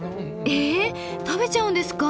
え食べちゃうんですか？